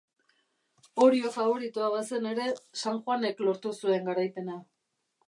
Orio faboritoa bazen ere San Juanek lortu zuen garaipena.